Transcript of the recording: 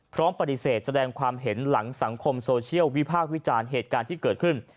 พร้อมปฏิเสธแสดงความเห็นหลังสังคมโซเชียลวิพากษ์วิจารณ์เหตุการณ์ที่เกิดขึ้น